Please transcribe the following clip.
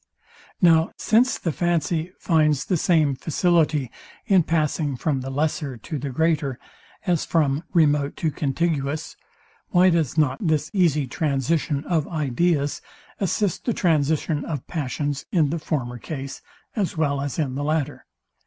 Now since the fancy finds the same facility in passing from the lesser to the greater, as from remote to contiguous, why does not this easy transition of ideas assist the transition of passions in the former case, as well as in the latter?